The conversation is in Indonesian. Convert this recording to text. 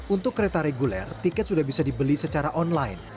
untuk kereta reguler tiket sudah bisa dibeli secara online